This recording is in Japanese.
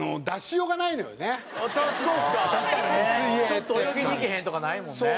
「ちょっと泳ぎに行けへん？」とかないもんね。